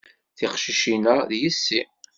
Tiqcicin-a, d yessi.